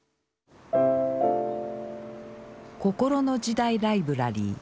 「こころの時代ライブラリー」。